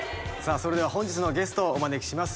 それでは本日のゲストをお招きします